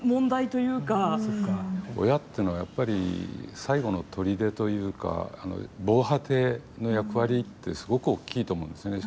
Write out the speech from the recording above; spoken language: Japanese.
親っていうのはやっぱり最後のとりでというか防波堤の役割ってすごく大きいと思うんですよね。